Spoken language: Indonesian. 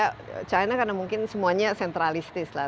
karena china karena mungkin semuanya sentralistis lah